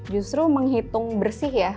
justru menghitung bersih ya